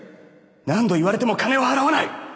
何度言われても金は払わない！